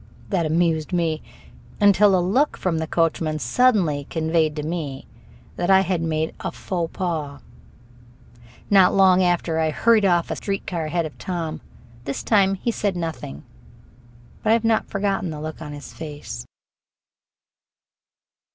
That amused me, until a look from the coachman suddenly conveyed to me that I had made a faux pas. Not long after I hurried off a street car ahead of Tom. This time he said nothing, but I have not forgotten the look on his face.